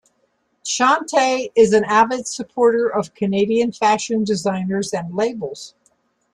Chante is an avid supporter of Canadian Fashion Designers and labels.